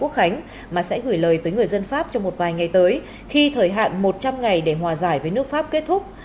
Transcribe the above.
tổng thống pháp emmanuel macron sẽ gửi lời tới người dân pháp trong một vài ngày tới khi thời hạn một trăm linh ngày để hòa giải với nước pháp kết thúc